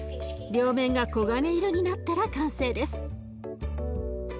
両面が黄金色になったら完成です。